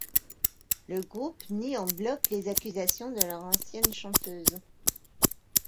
Le groupe nie en bloc les accusations de leur ancienne chanteuse.